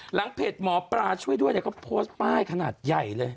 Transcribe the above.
เพจหมอปลาช่วยด้วยเนี่ยเขาโพสต์ป้ายขนาดใหญ่เลย